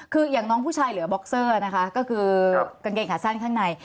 คืออย่างน้องผู้ชายเหลือบ็อกเซอร์นะคะก็คือกางเกงขาสั้นข้างใน